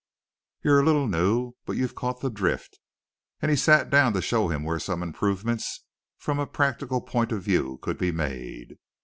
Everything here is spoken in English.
You're a little new, but you've caught the drift." And he sat down to show him where some improvements from a practical point of view could be made.